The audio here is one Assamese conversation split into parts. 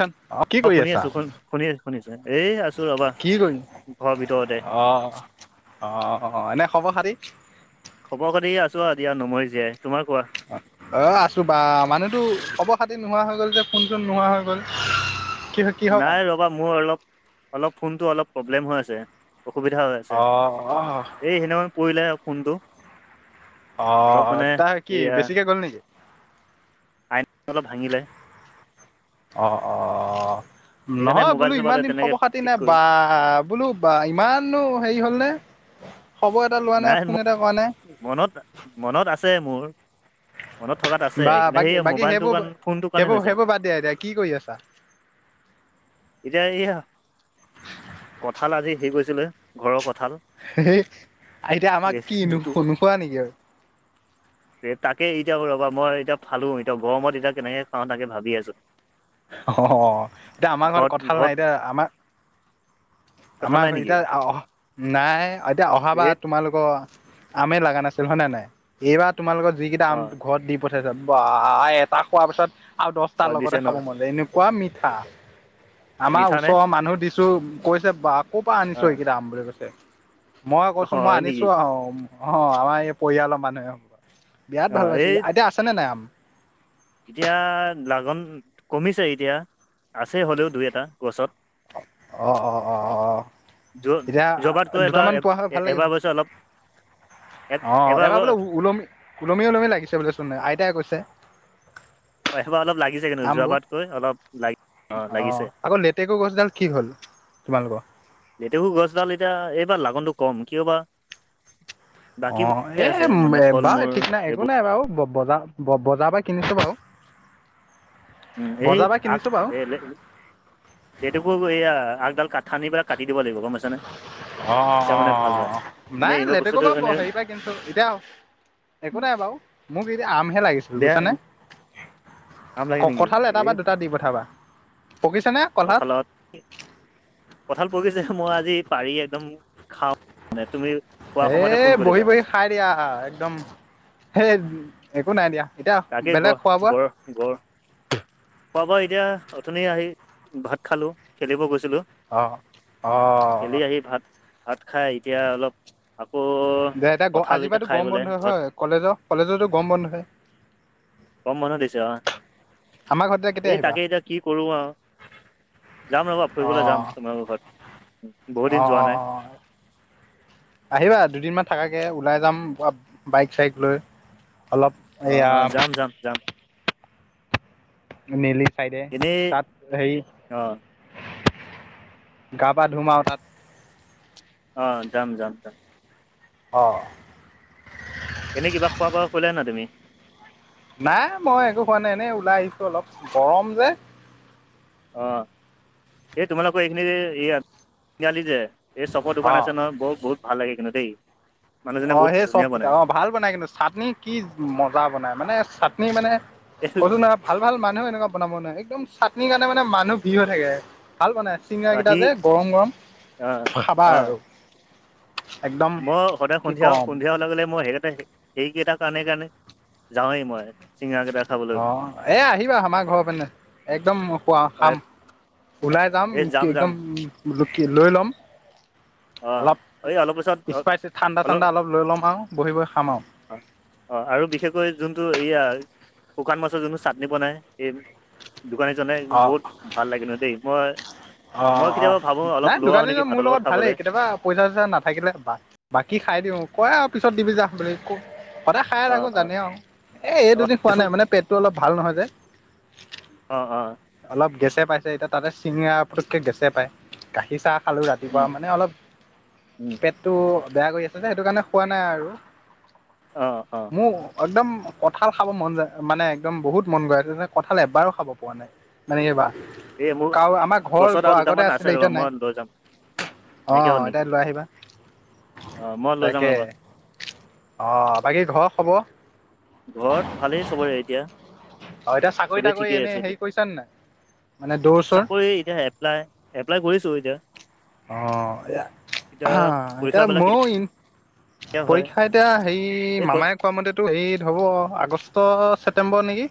তাত, অ' কি কৰি আছা? শুনি আছো, শুনি আছো। এই আছো ৰবা কি কৰিম? ঘৰৰ ভিতৰতে। অ। অ অ, এনে খবৰ খাতি? খবৰ-খাতি আছোঁ আৰু দিয়া নমৰি জীয়াই, তোমাৰ কোৱা? অ আছো, বা মানুহতো খবৰ খাতি নোহোৱা হৈ গ'ল যে, ফোনচোন নোহোৱা হৈ গ'ল। [unintelligible] নাই ৰবা, মোৰ অলপ অলপ ফোনটো অলপ প্ৰব্লেম হৈ আছে। অসুবিধা হৈ অ আছে, অ এই সেইদিনাখন পৰিলে ফোনটো। অলপ অ' মানে তাৰ কি বেছিকে গ'ল নেকি? আইনখন অলপ ভাঙিলে। অ অ, সেইকাৰণে নহয় মোবাইল বোলো চোবাইল ইমান দিন তেনেকে খবৰ খাতি ঠিক নাই কৰি বা আ বোলো বা ইমাননো হেৰি হ'লনে! খবৰ এটা লোৱা নাই, ফোন এটা কৰা নাই। মনত, মনত আছে মোৰ। মনত থকাত আছে। বা কিন্তু বাকী সেই বাকী মোবাইলটোৰ সেইবোৰ কাৰণ ফোনটোৰ কাৰণে সেইবোৰ হৈছে। সেইবোৰ বাদ দিয়া এতিয়া কি কৰি আছা? এতিয়া এইয়া কঁঠাল আজি হেৰি কৰিছিলে ঘৰৰ কঁঠাল হে হেই, এতিয়া আমাক কি নো দুটুকু নোখোৱা নেকি আৰু? তাকে এতিয়া ৰবা মই এতিয়া ফালো এতিয়া গৰমত এতিয়া কেনেকে খাওঁ তাকে ভাবি আছোঁ। অ' হ হ এতিয়া আমাৰ ঘৰত কঁঠাল নাই এতিয়া আমাৰ কঁঠাল আমাৰ নাই ই নেকি এতিয়া অহা নাই এতিয়া অহা বা ধেত তোমালোক আম লাগা নাছিল হয়নে নাই? নাই এইবাৰ তোমাল লোকৰ যিকেইটা অ আম ঘৰত দি প- তাছত ৱা এটা খোৱাৰ পিছত আৰু দহটাৰ অ দিছে লগতে- ন খাব মন এনেকুৱা মিঠা। আমাৰ মিঠা নে ওচৰৰ মানুহ দিছোঁ কৈছে বাহ। ক'ৰ পৰা অ আনিছ এইকেইটা আম মই কৈছে, মই অ কৈছোঁ মই হয় নেকি আনিছোঁ আও অ' আমাৰ এই পৰিয়ালৰ মানুহে বিৰাট অ ভাল পাইছে এই এতিয়া আছেনেে নাই আম এতিয়া লাগন কমিছে এতিয়া আছে হ'লেও দুই এটা গছত। অ' অ' অ' অ'। য এতিয়া যোৱাবাৰতকৈ এবাৰ দুটামান পোৱা হয় ভাল লাগিল এবাৰ হয়। বছৰ অলপ অ' এবাৰ বোলে ওলমি ওলমি ওলমি লাগিছে বোলেচোন আইতাই কৈছে। হয় এইবাৰ অলপ লাগিছে কিন্তু আমবোৰ যোৱাবাৰতকৈ অলপ লাগি অ' লাগিছে আকৌ লেতেকু গছডাল কি হ'ল? তোমালোকৰ। লেতেকু গছডাল এতিয়া এইবাৰ লাগনটো কম কিয় বা। বাকী অ' এ আছে মানে ফল মূল বাৰু ঠিক নাই একো এইবোৰ নাই বাও বজাৰ বজাৰৰ পৰা কিনিছো বাও উম' এই পৰা আগ কিনিছো বাৰু এলেটুকু এইয়া আগডাল কাট সানি পেলাই কাটি দিব লাগিব গ'ম পাইছেনে? অ' হঁ হঁ হঁ এনেই নাই এইবাৰ লেতেকু বস্তুটো প এনে হেৰি পাই কিনছো দিলে আও'। একো নাই বাও, মোক এতিয়া আমহে লাগিছিল বেয়া বুজিছানে? কাম ক লাগে নেকি কঠাল এটা বা এই দুটা দি পঠাবা, পকিছে নে? কঁঠাল কঠালত, কঠাল পাকিছে মই আজি পাৰি একদম খাওঁ মানে তুমি খোৱা সময়তে ফোন কৰিলা মানে- তিয়া একদম হেইট একো নাই দিয়া। বেলেগ খোৱা বোৱা গঁড় খোৱা বোৱা এতিয়া অঠনি আহিলো ভাত খালোঁ খেলিব গৈছিলোঁ। অ' অ' খেলি আহি ভাত, ভাত খাই এতিয়া অলপ আকৌ' দে এতিয়া গুৱাহাটীৰ কঁঠাল আজি এতিয়া পৰাতো খাই গম বোলে বন্ধ ঘৰত হয়। কলেজৰ কলেজৰতো গম বন্ধয়। গৰম বন্ধ দিছে অহ আমাৰ ঘৰত এতিয়া এ কেতিয়া আহিবা তাকে এতিয়া কি কৰো আও যাম ৰ'বা ফুৰিবলৈ যাম তোমালোকৰ ঘৰত বহুত দিন অহ যোৱা নাই অহ অহ অহ আহিবা দুদিনমান থাকাকে, ওলাই যাম আব বাইক চাইক লৈ অলপ অ' এয়া অ' যাম যাম যাম নেলি চাইডে এনেই তাত সেই অ', গা পা ধুম আও তাত অঁ যাম যাম যাম অ এনেই কিব খোৱা বোৱা কৰিলা নাই তুমি? নাই মই একো খোৱা নাই, এনেই ওলাই আহিছো অলপ গৰম যে অঁ এই তোমালোকৰ এইখিনি ইয়াত তিনিআলি যে এই চপৰ অ দোকান আছে নহয়, বহুত বহুত ভাল লাগে কিন্তু দেই। মানুহজনে অঁ বহুত সেই চব ধুনীয়া কেইতা বনায় অঁ ভাল বনাই কিন্তু চাটনি কি মজা বনাই মানে চাটনি মানে এই ক'লো না ভাল ভাল মানুহেও এনেকুৱা বনাব নোৱাৰে একদম চাটনিৰ কাৰণে মানে মানুহ ভিৰ হৈ থাকে, ভাল বনাই চিঙৰি কেইটা সি যে গৰম গৰম অ', খাবা অ', আৰু। একদম মই সদায় কি সন্ধিয়া ক'ম সন্ধিয়া হোৱা লগে মই সেই কেইটাই সেইকেইটাৰ কাৰণে কাৰণে যাওঁৱেই মই চিঙৰা কেইটাৰ- অঁ' এ আহিবা আমাৰ ঘৰৰ পিনে একদম খুৱা অ', খাম। ওলাই যাম এই কি যাম একদম কি লৈ লম। অ', অলপ এই অলপ পিছত স্পাইড ঠাণ্ডা টাণ্ডা অলপ লৈ ল'ম আৰু বহি বহি খাম আৰু। অঁ' অঁ' আৰু বিশেষকৈ যোনটো এইয়াৰ- শুকান মাছৰ যোনটো চাটনি বনাই সেই- দোকানীজনে একদম অ বহুত ভাল লাগে কিন্তু দেই। মই- মই অঁ' অঁ' কেতিয়াবা ভাবোঁ অলপ নাই, লৈ আহোঁ দোকানী নেকি জন মোৰ ভাতৰ লগত ভালেই, খাবলৈ কেতিয়াবা- পইচা চইচা নাথাকিলে বা বাকী খাই দিওঁ, কয় আৰু পিছত দিবি যা বুলি। সদায় খাইয়ে অঁ থাকো অঁ জানে আৰু এ এই অঁ দুদিন খোৱা নাই মানে পেটটো অলপ ভাল নহয় যে। অঁ' অঁ'। অলপ গেছে পাইছে এতিয়া তাতে চিঙৰা পতকে গেছে পায়, গাখীৰ চাহ- খালোঁ ৰাতিপুৱা মানে অলপ অঁ পেটটো বেয়া কৰি আছে যে সেইটো কাৰণে খোৱা নাই আৰু। অহ'-অহ'। মোৰ একদম কঁঠাল খাব মন যায় মানে একদম বহুত মন গৈ আছে [unintelligible] কঁঠাল এবাৰো খাব পোৱা নাই। মানে এইবাৰ এই মোৰ কাৰণ আমাৰ ঘৰৰ গছত আৰু আগতে দুটামান আছে আছিলে ৰ'বা এতিয়া নাই। মই লৈ যাম নাইকিয়া অঁ' হ'ল নেকি এতিয়া এইটো লৈ আহিবা। অঁ' মই লৈ যাম ৰ'বা। অঁ' বাকী ঘৰৰ খবৰ? ঘৰত ভালেই চবৰে এতিয়া। অ এতিয়া চাকৰি চবেই তাকৰি ঠিকেই এনে আছে এতিয়া, হেৰি কৰিছা নে নাই মানে দৌৰ চৌৰ চাকৰি এতিয়া এপ প্লাই, এপ্লাই কৰিছোঁ এতিয়া। অহ' এয়া এতিয়া এতিয়া পৰীক্ষাবিলাক ময়ো ইন কেতিয়া হয় পৰীক্ষা এতিয়া হেৰি এই ক মামাই- কোৱা মতেটো এই হ'ব আগষ্ট ছেপ্তেম্বৰ নেকি,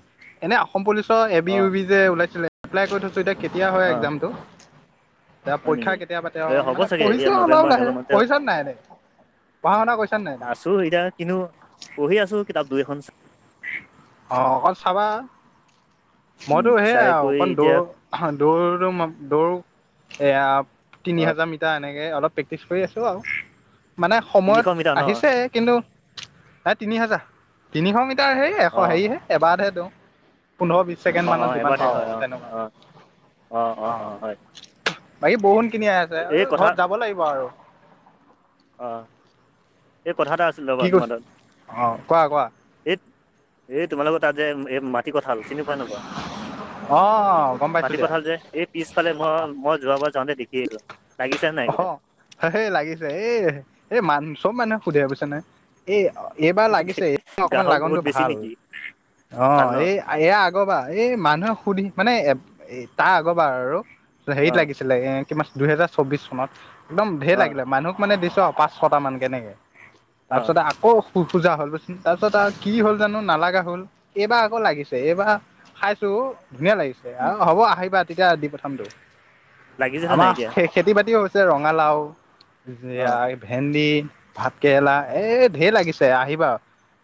এনে অসম পুলিচৰ এ বি ইউ অঁ বি- যে উলাইছিলে এপ্লাই কৰি থৈছো এতিয়া কেতিয়া হয় অঁ একজামটো পৰীক্ষা। হয় পৰীক্ষা নেকি কেতি কেতিয়া পাতে এই আৰু হ'ব মানে চাগে এয়া পঢ়িছো অলপ নৱেম্বৰ লাহে, এনেকুৱা মানতে পঢ়িছা নে নাই এনে পঢ়া শুনা কৰিছা নে নাই? আছোঁ এতিয়া কিন্তু পঢ়ি আছো কিতাপ দুই এখন। অঁ' অকণ চাবা। উম, মইতো সেয়া, চাই কৰি অকণ এতিয়া দৌৰ, [unintelligible] এয়া, তিনি হাজাৰ মি এতিয়া এনেকে অলপ প্ৰেক্টিচ কৰি আছোঁ আৰু মানে তিনিশ সময়ত মিটাৰ ন আহিছে কিন্তু তাই তিনি হাজাৰ, তিনিশ মিটাৰ হেৰি এশ অঁ হেৰিহে এবাৰতহে দিওঁ। পোন্ধৰ বিশ ছেকেণ্ড অঁ মানত অঁ যিমান এবাৰতে পাওঁ হয় আৰু অঁ তেনেকুৱা, অঁ অঁ'। বাকী বহুনখিনি আছে এই অঁ' কথা ঘৰত যাব লাগিব আৰু। অঁ, এই কথা এটা আছিল ৰ কি বাৰু কৈছ তোমাৰ তাত। অ কোৱা কোৱা এই, এই তোমালোকৰ তাত যে এই মা মাটি কঁঠাল চিনি পোৱা নোপোৱা, অ গম পাইছো মাটি দিয়া কঁঠাল যে এই পিছফালে মই, মই যোৱা বাৰ যাওঁতে দেখি আহিলোঁ, লাগিছে নাই সেইকেইটা? হে লাগিছে এই, এই চ'ব মানুহে শুধে বুইছ নাই। এই, এইবাৰ লাগিছে এই অকমান গ্ৰাহক বহুত লাগনটো বেছি ভাল, নেকি ভাল অঁ' ন এই এয়া আগৰবাৰ এই মানুহে সুধি মানে এ, তাৰ আগবাৰ আৰু, হেৰিত অঁ লাগি ছিলে দুই হাজাৰ চৌবিশ চনত একদম ঢেৰ অঁ লাগিলে মানুহ মানে দিছো আৰু পাঁচ ছটা মানকে এনেকে, অঁ তাৰপিছতে আ কৌ খো-খোজা হ'ল, তাৰপিছত আৰু কি হ'ল জানো নালাগা হল, এইবাৰ আকৌ লাগিছে, এইবাৰ খাইছো। ধুনীয়া লাগিছে উম আৰু হ'ব আহিবা তেতিয়া দি পথামতটো লাগিছেনে নাই আমাৰ এতিয়া শেষ। খেতি বাতিও হৈছে ৰঙালাও অঁ [unintelligible] ভেন্দি, ভাতকেৰেলা, এই ঢেৰ লাগিছে আহিবা।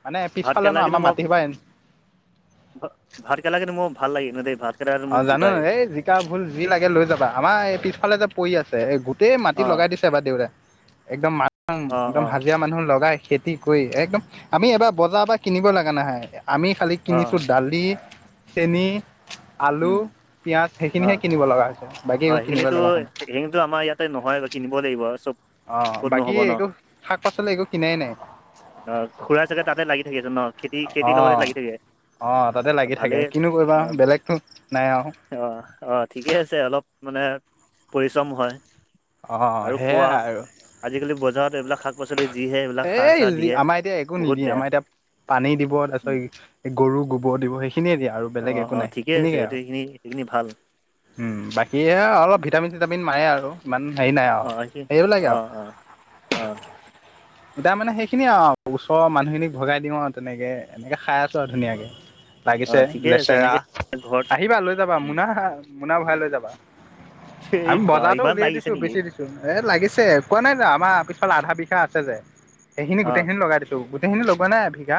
মানে ভাত পিছফালে ন কেৰেলা কিন্তু আমাৰ মোৰ, মাটি সোপা মোৰ ভাত কেৰেলা কিন্তু ভালে লাগে দে মোৰ। অ' জানো এই জিকা ভুল যি লাগে লৈ যাবা। আমাৰ এই পিছফালে যে পৰি আছে এই গো গোটেই মাটি অঁ লগাই দিছে আমাৰ দেউতাই একদম [unintelligible] অঁ একদম অঁ হাজিৰা মানুহ লগাই। খেতি কৰি একদম, আমি এবাৰ বজাৰৰ পৰা কিনিব লগা নাহয় আমি খালি কিনিছোঁ অঁ দালি, চেনি আলু, উম পিঁয়াজ অঁ সেইখিনিহে কিনিব লগা হৈছে, বাকী একো কিনিব লগা হোৱা নাই। কিন্তু আমাৰ ইয়াতে নহয় বা কিনিব লাগিব আৰু চব অ' ক'ত বাকী নহ'ব ন একো, শাক-পাচলি একো কিনাই নাই। অ' খুৰা ছাগে তাতে লাগি থাকে দিনত। খেতি খেতিৰ লগতে লাগি অ'অ' তাতে লাগি থাকে ভালেই কিনো কৰিবা আৰু বেলেগতো নাই আৰু। অ, অ' ঠিকেই আছে অলপ মানে পৰিশ্ৰম হয়। অ আৰু সেয়াই কোৱা, আৰু আজিকালি বজাৰত এইবিলাক শাক শাক-পাচলি যিহে এইবিলাক সাৰ এই চাৰ দিয়ে, আমাৰ এতিয়া একো নিদিয়ে বহুত বেয়া। আমাৰ এতিয়া পানী দিব তাৰ উম পিছত, গৰু গোবৰ দিব সেইখিনিয়ে দিয়ে আৰু বেলেগ একো অ'অ' নাই ঠিকে আছে সেইখিনিকে এইটো আৰু এইখিনি, এইখিনি ভাল। উম, বাকী এয়া অলপ ভিটামিন-চিটামিন মাৰে আৰু ইমান হেৰি নাই অ আৰু, সেইখিনি সেইবিলাকে অ আৰু। অ অ', এতিয়া মানে সেইখিনিয়ে আৰু ওচৰৰ মানুহখিনিক ভগাই দিওঁ আৰু তেনেকে এনেকে খাই আছো আৰু ধুনীয়াকে। অ লাগিছে ঠিকে আছে লেচৰা এনেকে ঘৰত আহিবা লৈ যাবা উম মুনা, মুনা ভৰাই লৈ যাবা। এই আমি বা বজাৰতো ইমান উলিয়াই লাগিছে দিছো নেকি বেছি দিছ এ লাগিছে কোৱা নাই আমাৰ পিছফালে আধা বিঘা আছে যে। এইখিনি অ গোটেইখিনি লগাই দিছো, গোটেইখিনি লগোৱা নাই এক বিঘা।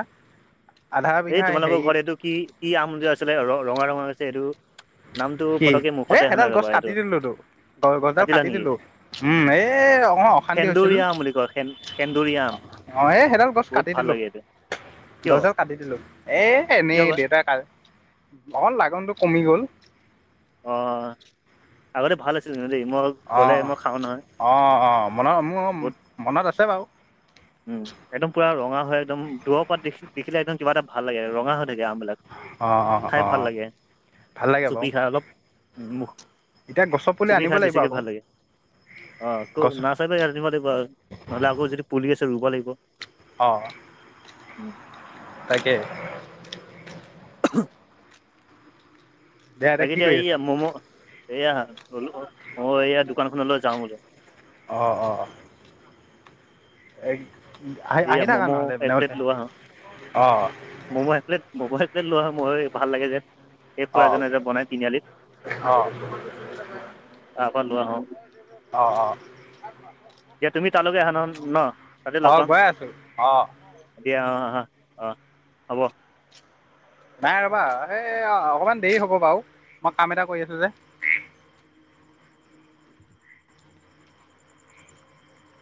আধা এই বিঘা তোমালোকৰ হেৰি ঘৰত এইটো কি, কি আম আছিলে ৰঙা, ৰঙা হৈছে এইটো। নামটো কি, পতকে এ মুখতে আহা সেইডাল নাই গছ ৰ'বা এইটো কাটি দিলো তো। হয় গজলডাল কাটিলা কাটি নেকি দিলো, উম, এ অকমান অশান্তি হৈছিল। সেন্দুৰীয়া আম বুলি কয় সেন সেন্দুৰীয়া আম অ' এ সেইডাল গছ বহুত কাটি ভাল দিলো, লাগে এইটো কিয় গছডাল কাটি দিলো। এ কিয় এনেই বা দেউতাক কা, অকন লাগনতটো কমি গ'ল। অ', আগতে ভাল আছ [unintelligible] অ'অ'অ' মনত মোৰ বহুত মনত আছে বাৰু। উম, একদম পুৰা ৰঙা হয় একদম দূৰৰ পৰা দেখি দেখিলে একদম কিবা এটা ভাল লাগে ৰঙা হৈ থাকে আমবিলাক। অ অ খাই অ ভাল লাগে ভাল লাগে চুপি বাৰু খাই অলপ উম, মুখ এতিয়া গছৰ পুলি চুপি আনিব খাই লাগিব বেছিকে আকৌ ভাল লাগে আকৌ গছ নাচ [unintelligible] নহলে আকৌ যদি পুলি আছে ৰুব লাগিব। অ', উম, তাকে। উহু, [unintelligible] এতিয়া বাকী কি দিয়া কৰি এইয়া আছা ম'ম' এইয়া‌‌ ললো মই এইয়া দোকানখনলৈ যাওঁ বোলে। অ'অ'অ' এগ আহি, এইয়া আহি থাকা ম'ম' নহ'লে এক এইপিনে প্লেট বোলে লৈ আহো অ। ম'ম এক প্লেট, ম'ম এক প্লেট লওঁ হা মই ভাল লাগে যে। এই খুৰা অ এজনে যে বনায় তিনিআলিত অ অ তাৰ পৰা লৈ আহো। অ দিয়া তুমি তালৈকে আহা [unintelligible] ন' তাতে লগ পাম। ‌ [unintelligible] অ', [unintelligible] অ'হ'ব। নাই ৰ'বা এই য়া অকমান দেৰি হ'ব বাৰু মই কাম এটা কৰি আছো যে।